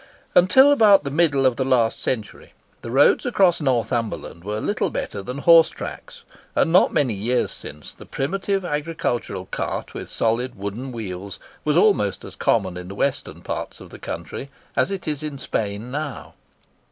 Until about the middle of last century the roads across Northumberland were little better than horse tracks, and not many years since the primitive agricultural cart with solid wooden wheels was almost as common in the western parts of the county as it is in Spain now.